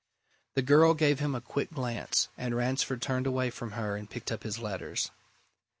The girl gave him a quick glance, and Ransford turned away from her and picked up his letters.